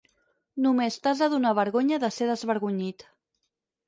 Només t'has de donar vergonya de ser desvergonyit.